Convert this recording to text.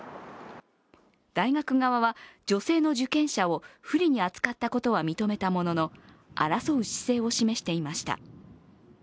大学側は、女性の受験者を不利に扱ったことは認めたものの争う姿勢を示していました。